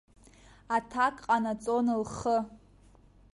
Аҭак ҟанаҵон лхы.